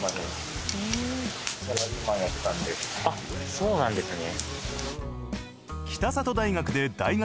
そうなんですね。